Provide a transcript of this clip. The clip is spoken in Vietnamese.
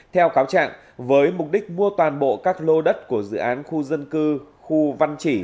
theo cáo trạng với mục đích mua toàn bộ các lô đất của dự án khu dân cư khu văn chỉ